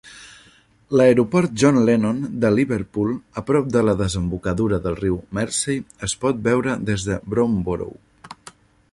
L'aeroport John Lennon de Liverpool, a prop de la desembocadura del riu Mersey, és pot veure des de Bromborough.